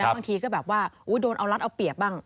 บางทีก็แบบว่าโดนเอารัดเอาเปียกบ้าง